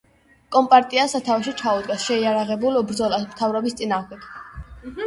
კომპარტია სათავეში ჩაუდგა შეიარაღებულ ბრძოლას მთავრობის წინააღმდეგ.